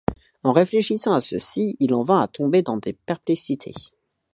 En réfléchissant à ceci, il en vint à tomber dans des perplexités.